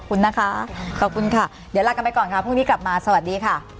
โปรดติดตามตอนต่อไป